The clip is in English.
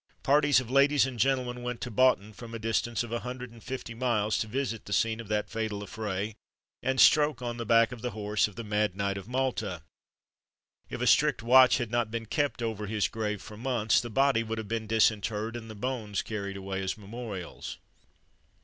Parties of ladies and gentlemen went to Boughton from a distance of a hundred and fifty miles, to visit the scene of that fatal affray, and stroke on the back the horse of the "mad knight of Malta." If a strict watch had not been kept over his grave for months, the body would have been disinterred, and the bones carried away as memorials.